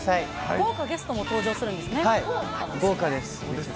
豪華ゲストも登場するんです豪華です。